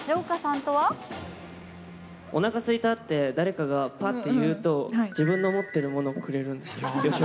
おなかすいたって、誰かがぱって言うと、自分の持ってるものをくれるんです。